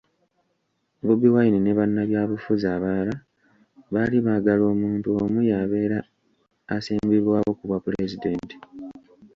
Bobi Wine ne bannabyabufuzi abalala baali baagala omuntu omu y'abeera asimbibwawo kubwa Pulezidenti.